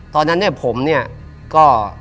ตอนนั้นเนี่ยผมเนี่ยก็